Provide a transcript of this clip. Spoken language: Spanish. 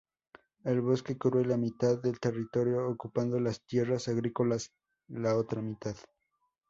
El bosque cubre la mitad del territorio, ocupando las tierras agrícolas la otra mitad.